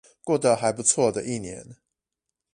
過得還不錯的一年